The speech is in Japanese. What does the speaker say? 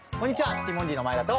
ティモンディの前田と。